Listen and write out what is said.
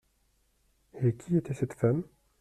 Et qui était cette femme ?